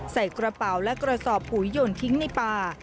ใส่กระเป๋าและกระสอบปุ๋ยหย่นทิ้งในป่า